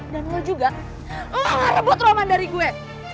dan lo juga lo ngerebut roman dari gue